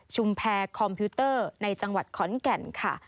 แพรคอมพิวเตอร์ในจังหวัดขอนแก่นค่ะ